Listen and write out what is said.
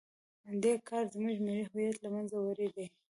دې کار زموږ ملي هویت له منځه وړی دی.